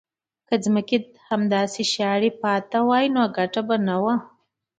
که ځمکې همداسې شاړې پاتې وای ګټه نه وه.